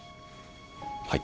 はい。